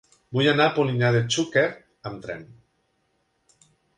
Vull anar a Polinyà de Xúquer amb tren.